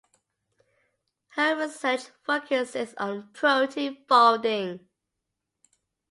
Her research focuses on protein folding.